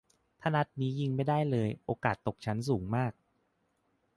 ถ้านัดนี้ยิงไม่ได้เลย โอกาสตกชั้นสูงมาก